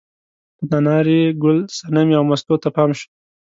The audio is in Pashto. په تنار یې ګل صنمې او مستو ته پام شو.